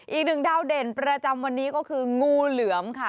อีกหนึ่งดาวเด่นประจำวันนี้ก็คืองูเหลือมค่ะ